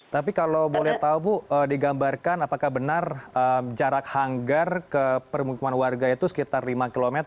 tapi kalau boleh tahu bu digambarkan apakah benar jarak hanggar ke permukiman warga itu sekitar lima km